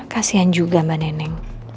kasian juga mbak neng